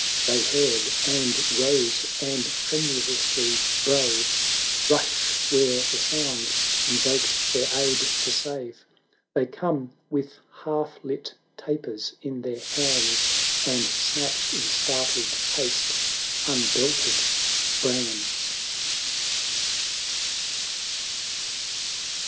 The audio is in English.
They heard and rose, and, tremulously brave, Rush where the sound invoked their aid to save; They come with half lit tapers in their hands. And snatched, in startled haste, un belted brands.